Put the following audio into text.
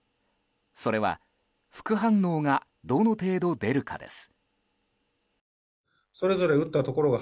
それは副反応がどの程度、出るかです。